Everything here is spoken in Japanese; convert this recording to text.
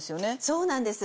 そうなんです